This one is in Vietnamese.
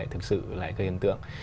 thực sự lại gây ấn tượng